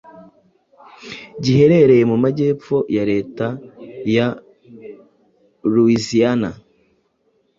giherereye mu majyepfo ya leta ya Louisiana